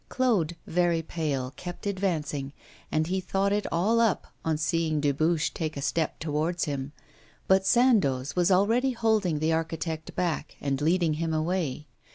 Claude, very pale, kept advancing, and he thought it all up on seeing Dubuche take a step towards him; but Sandoz was already holding the architect back, and leading him away.